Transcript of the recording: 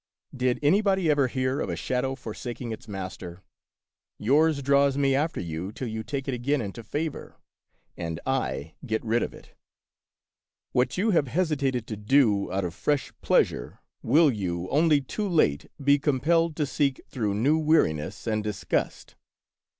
Did anybody ever hear of a shadow forsaking its master? Yours draws me 8o The Worzderful History after you till you take it again into favor, and I get rid of it. What you have hesitated to do out of fresh pleasure, will you, only too late, be com pelled to seek through new weariness and disgust.